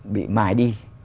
bị mài đi